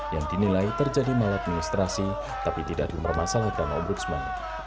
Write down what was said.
yang dinilai terjadi malat administrasi tapi tidak dipermasalahkan ombudsman